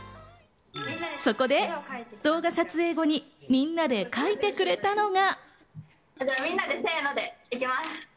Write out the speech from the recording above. そこで動画撮影後にみんなで描いてくれたのが。